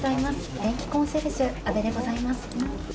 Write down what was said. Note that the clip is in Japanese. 電気コンシェルジュ、あべでございます。